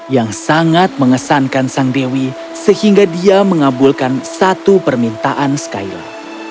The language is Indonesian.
yang sangat mengesankan sang dewi sehingga dia mengabulkan satu permintaan skyla